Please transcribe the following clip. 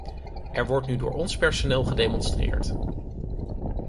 Er wordt nu door ons personeel gedemonstreerd.